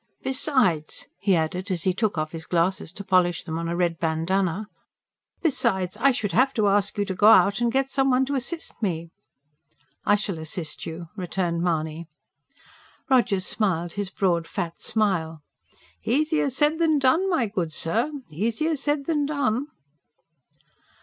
Besides," he added, as he took off his glasses to polish them on a red bandanna; "besides, I should have to ask you to go out and get some one to assist me." "I shall assist you," returned Mahony. Rogers smiled his broad, fat smile. "Easier said than done, my good sir! ... easier said than done."